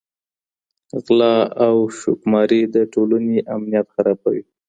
غلا او شوک ماري د ټولني امنيت خرابوي.